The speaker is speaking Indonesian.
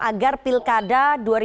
agar pilkada dua ribu dua puluh